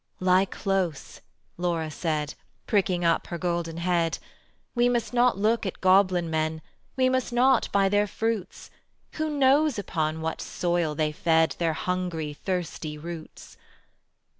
"Lie close," Laura said, Pricking up her golden head: "We must not look at goblin men, We must not buy their fruits: Who knows upon what soil they fed Their hungry thirsty roots?"